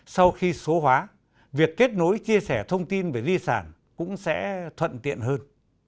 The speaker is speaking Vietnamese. sau khi số hóa việc kết nối chia sẻ thông tin về di sản cũng sẽ thuận tiện hơn